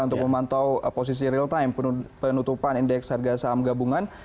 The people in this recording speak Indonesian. untuk memantau posisi real time penutupan indeks harga saham gabungan